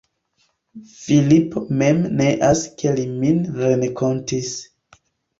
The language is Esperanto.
Filipo mem neas, ke li min renkontis.